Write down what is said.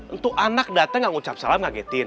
untuk anak dateng yang ucap salam ngagetin